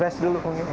pes di rumah ya ya